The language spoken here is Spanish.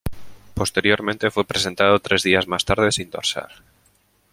Posteriormente fue presentado tres días más tarde sin dorsal.